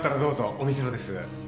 お店のです。